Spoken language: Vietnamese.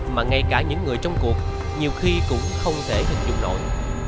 mà ngay cả những người trong cuộc nhiều khi cũng không thể hình dung nổi